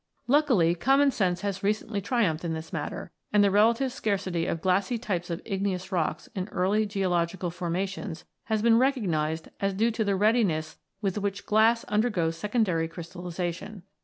Luckily common sense has recently triumphed in this matter, and the relative scarcity of glassy types of igneous rocks in early geological formations has been recog nised as due to the readiness with which glass under goes secondary crystallisation.